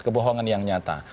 kebohongan yang nyata